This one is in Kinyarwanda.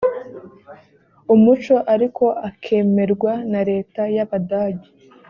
umuco ariko akemerwa na leta y abadage